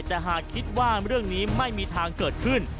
แต่หากคิดว่าเรื่องนี้ไม่มีทางเกิดขึ้น